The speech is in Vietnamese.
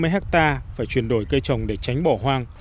một trăm năm mươi hectare phải chuyển đổi cây trồng để tránh bỏ hoang